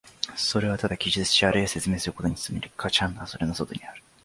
それはただ記述しあるいは説明することに努め、価値判断はそれの外にある。